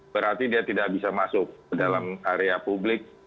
berarti dia tidak bisa masuk ke dalam area publik